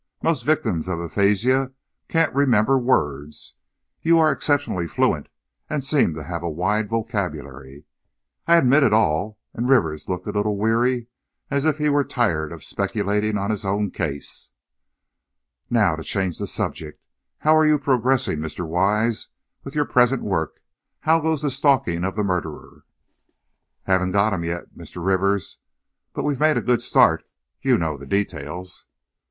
"Most victims of aphasia can't remember words. You are exceptionally fluent and seem to have a wide vocabulary." "I admit it all," and Rivers looked a little weary, as if he were tired of speculating on his own case. "Now, to change the subject, how are you progressing, Mr. Wise, with your present work? How goes the stalking of the murderer?" "Haven't got him yet, Mr. Rivers, but we've made a good start. You know the details?"